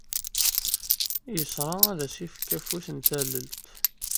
Yesra ad as-ifek afus n tallelt.